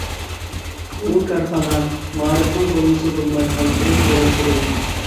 بۇ كارخانا مائارىپىنىڭ بولمىسا بولمايدىغانلىقىدىن دېرەك بېرىدۇ.